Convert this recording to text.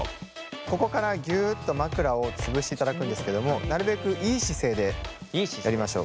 ここからギュッと枕を潰していただくんですけれどもなるべくいい姿勢でやりましょう。